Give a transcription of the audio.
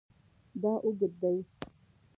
دا اوږد دی